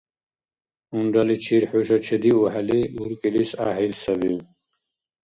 Унраличир хӀуша чедиухӀели, уркӀилис гӀяхӀил саби.